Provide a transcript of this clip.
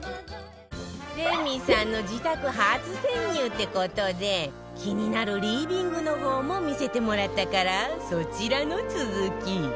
レミさんの自宅初潜入って事で気になるリビングの方も見せてもらったからそちらの続き